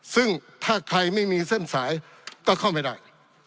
ซึ่งถ้าใครไม่มีเส้นสายก็เข้าไม่ได้